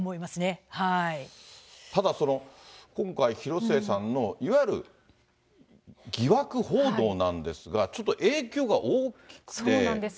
ただその、今回、広末さんの、いわゆる疑惑報道なんですが、そうなんです。